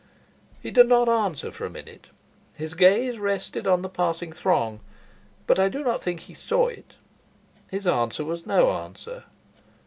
He did not answer for a minute. His gaze rested on the passing throng, but I do not think he saw it. His answer was no answer.